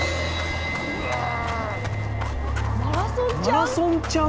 マラソンちゃん？